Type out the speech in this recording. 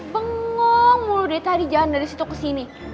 bengong mulu dari tadi jalan dari situ ke sini